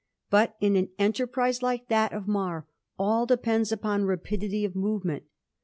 Bat in an enterprise like that of Mar all depends upon rapidity of movement.